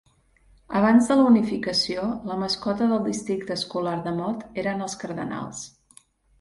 Abans de la unificació, la mascota del districte escolar de Mott eren els Cardenals.